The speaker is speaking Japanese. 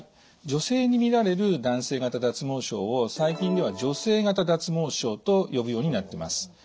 女性にみられる男性型脱毛症を最近では女性型脱毛症と呼ぶようになってます。